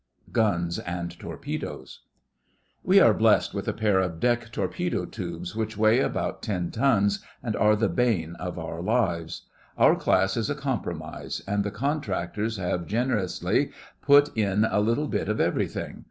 GUNS AND TORPEDOES We are blessed with a pair of deck torpedo tubes, which weigh about ten tons, and are the bane of our lives. Our class is a compromise, and the contractors have generously put in a little bit of everything.